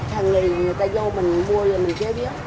thằng này người ta vô mình mua rồi mình chế biến